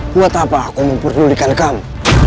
buat apa aku memperdulikan kamu